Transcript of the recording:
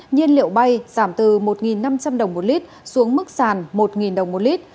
nhiên liệu bay giảm từ một năm trăm linh đồng một lít xuống mức sàn một đồng một lít